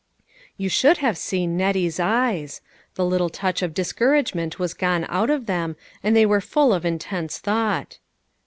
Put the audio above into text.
You should have seen Nettie's eyes ! The lit tle touch of discouragement was gone out of them, and they were full of intense thought.